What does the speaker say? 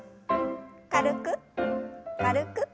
軽く軽く。